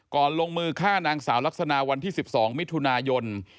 ลงมือฆ่านางสาวลักษณะวันที่๑๒มิถุนายน